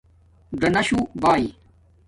ڎاناشݸ باݺی